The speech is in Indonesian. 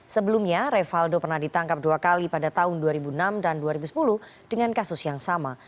sebelumnya revaldo pernah ditangkap dua kali pada tahun dua ribu enam dan dua ribu sepuluh dengan kasus yang sama